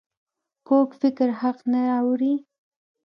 کوږ فکر حق نه اوري